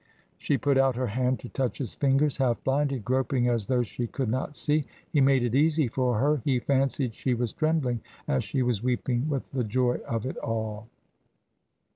She put out her hand to touch his fingers, half blinded, groping as though she could not see. He made it easy for her. He fancied she was trembling, as she was weeping, with the joy of it all.